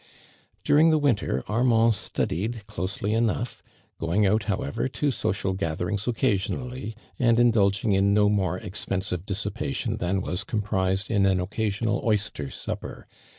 During the winter, Armand studied closely enough, going out however to so cial gatherings occasionally, and indidging in no more expensive dissijiation than was comprised in an occasional oyster supi^er.